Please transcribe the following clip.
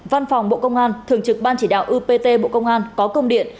văn phòng bộ công an thường trực ban chỉ đạo upt bộ công an có công điện